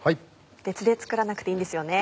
別で作らなくていいんですよね。